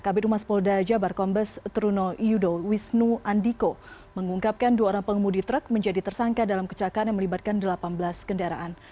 kabinet humas polda jabar kombes truno yudo wisnu andiko mengungkapkan dua orang pengemudi truk menjadi tersangka dalam kecelakaan yang melibatkan delapan belas kendaraan